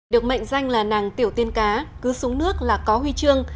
được mệnh danh là nàng tiểu tiên cá cứ súng nước là có huy chương